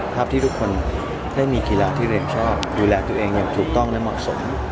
ที่ทุกคนได้มีกีฬาที่เรียนชอบดูแลตัวเองอย่างถูกต้องและเหมาะสม